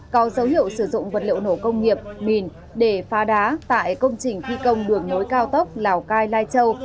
có dấu hiệu sử dụng vật liệu nổ công nghiệp mìn để phá đá tại công trình thi công đường nối cao tốc lào cai lai châu